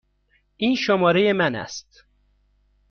این شماره من است.